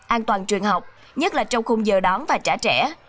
an toàn trường học nhất là trong khung giờ đón và trả trẻ